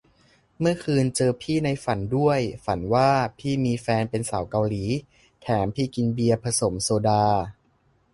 เมื่อคืนเจอพี่ในฝันด้วย ฝันว่าพี่มีแฟนเป็นสาวเกาหลี แถมพี่กินเบียร์ผสมโซดา